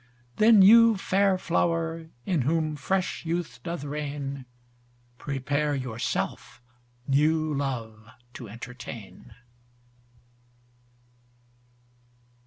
Then you fair flower, in whom fresh youth doth rain, Prepare yourself new love to entertain.